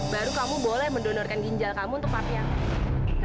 baru kamu boleh mendonorkan ginjal kamu untuk papiaka